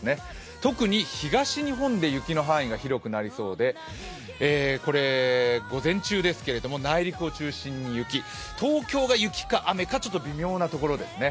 特に東日本で雪の範囲が広くなりそうで、午前中ですけれども、内陸を中心に雪、東京が雪か雨か微妙なところですね。